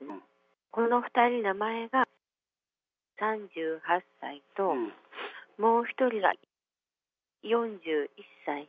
この２人、名前が×××３８歳と、もう１人が×××４１歳。